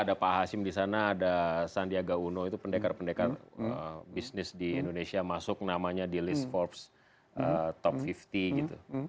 ada pak hasim di sana ada sandiaga uno itu pendekar pendekar bisnis di indonesia masuk namanya di list forbes top lima puluh gitu